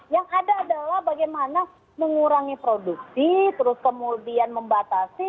yang ada adalah bagaimana mengurangi produksi terus kemudian membatasi